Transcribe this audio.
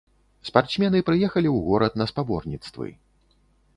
Спартсмены прыехалі ў горад на спаборніцтвы.